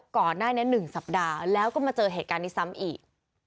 ก่อนหน้านี้๑สัปดาห์แล้วก็มาเจอเหตุการณ์นี้ซ้ำอีก